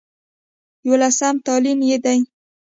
يوولسم تلين يې دی